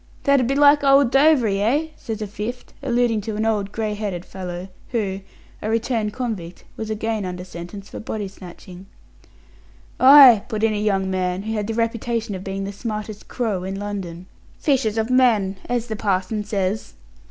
"That 'ud be like old Dovery, eh?" says a fifth, alluding to an old grey headed fellow, who a returned convict was again under sentence for body snatching. "Ay," put in a young man, who had the reputation of being the smartest "crow" (the "look out" man of a burglars' gang) in London "'fishers of men,' as the parson says."